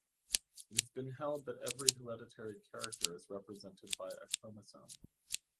It has been held that every hereditary character is represented by a chromosome.